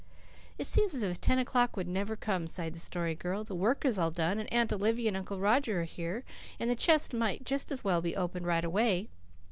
"It seems as if ten o'clock would never come," sighed the Story Girl. "The work is all done, and Aunt Olivia and Uncle Roger are here, and the chest might just as well be opened right away."